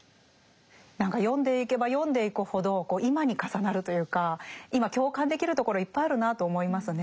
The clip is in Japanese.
何か読んでいけば読んでいくほど今に重なるというか今共感できるところいっぱいあるなと思いますね。